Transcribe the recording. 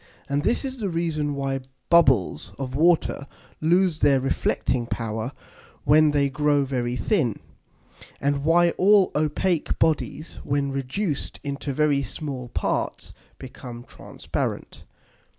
And this is the reason why Bubbles of Water lose their reflecting power when they grow very thin; and why all opake Bodies, when reduced into very small parts, become transparent.